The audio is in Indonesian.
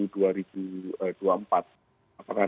datang pes yogah